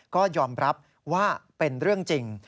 ก็ยอมรับว่าเป็นเรื่องจริง